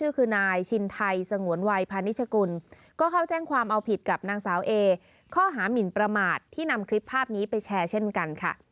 ก็คือนายชินไทยสงวนวัยพาณิชกุลก็เข้าแจ้งความเอาผิดกับนางสาวเอข้อหามินประมาทที่นำคลิปภาพนี้ไปแชร์เช่นกันค่ะ